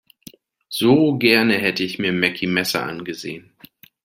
So gerne hätte ich mir Meckie Messer angesehen.